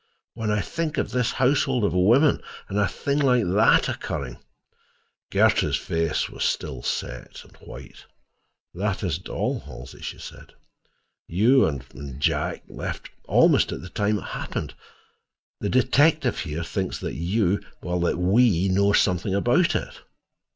When I think of this houseful of women, and a thing like that occurring!" Gertrude's face was still set and white. "That isn't all, Halsey," she said. "You and—and Jack left almost at the time it happened. The detective here thinks that you—that we—know something about it."